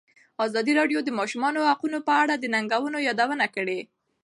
ازادي راډیو د د ماشومانو حقونه په اړه د ننګونو یادونه کړې.